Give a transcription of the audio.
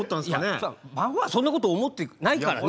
いや孫はそんなこと思ってないからね。